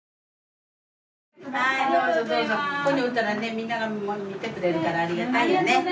みんなが見てくれるからありがたいよね。